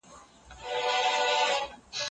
د تقاعد پرېکړه یې ډېرو خلکو ته په زړه پورې وه.